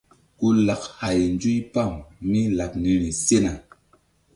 Ku lak hay nzuypam mí laɓ niri sena.